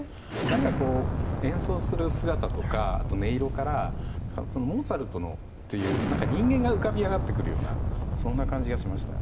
演奏する姿とか音色からモーツァルトという人間が浮かび上がってくるようなそんな感じがしました。